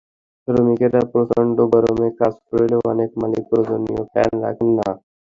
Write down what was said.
শ্রমিকেরা প্রচণ্ড গরমে কাজ করলেও অনেক মালিক প্রয়োজনীয় ফ্যান রাখেন না।